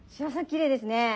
きれいですね。